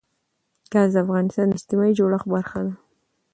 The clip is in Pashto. ګاز د افغانستان د اجتماعي جوړښت برخه ده.